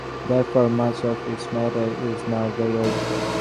Therefore, much of its matter is now very old.